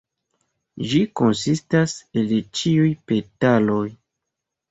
Ĝi konsistas el ĉiuj petaloj.